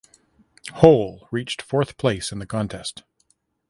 Hole reached fourth place in the contest.